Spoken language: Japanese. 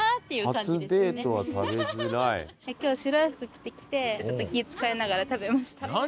今日白い服着てきてちょっと気ぃ使いながら食べました。